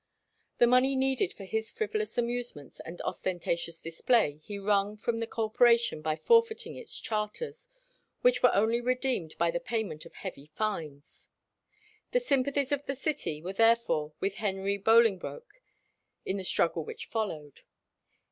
The money needed for his frivolous amusements and ostentatious display he wrung from the Corporation by forfeiting its charters, which were only redeemed by the payment of heavy fines. The sympathies of the city were therefore with Henry Bolingbroke in the struggle which followed.